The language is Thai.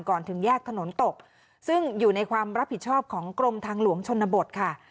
ถึงแยกถนนตกซึ่งอยู่ในความรับผิดชอบของกรมทางหลวงชนบทค่ะ